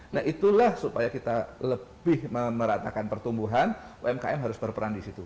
nah itulah supaya kita lebih meratakan pertumbuhan umkm harus berperan di situ